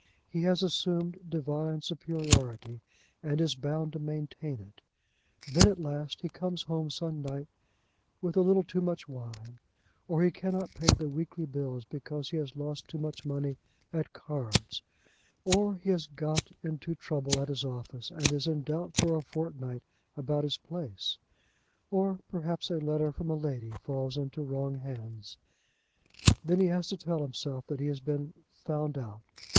He has assumed divine superiority, and is bound to maintain it. Then, at last, he comes home some night with a little too much wine, or he cannot pay the weekly bills because he has lost too much money at cards, or he has got into trouble at his office and is in doubt for a fortnight about his place, or perhaps a letter from a lady falls into wrong hands. Then he has to tell himself that he has been "found out."